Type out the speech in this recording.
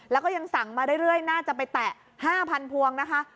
แล้วก็ยังสั่งมาเรื่อยน่าจะไปแตะ๕๐๐พวงนะคะ